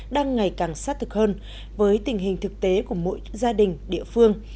đang ngày càng sát thực hơn với tình hình thực tế của mỗi gia đình địa phương